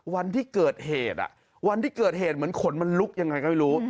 วันที่เกิดเหตุวันที่เกิดเหตุเหมือนขนมันลุกยังไงก็ไม่รู้